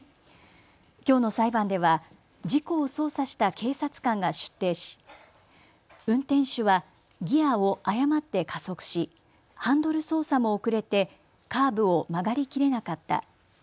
きょうの裁判では事故を捜査した警察官が出廷し運転手はギアを誤って加速しハンドル操作も遅れてカーブを曲がりきれなかった。